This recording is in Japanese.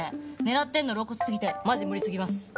狙ってんの露骨すぎてマジ無理すぎます。